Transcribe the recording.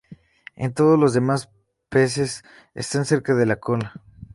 En todos los demás peces, están cerca de la cola.